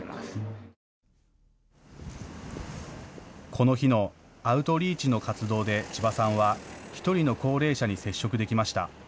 この日のアウトリーチの活動で千葉さんは１人の高齢者に接触できました。